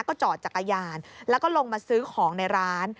ก็จอดจักรยานแล้วก็ลงมาซื้อของในร้าน